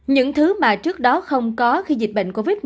những thứ mà trước đó không có khi dịch bệnh covid một mươi chín xuất hiện